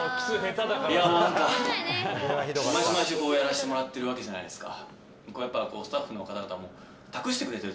いや、毎週やらせてもらっているわけじゃないですか。